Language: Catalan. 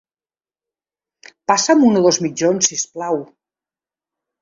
Passa'm un o dos mitjons si us plau.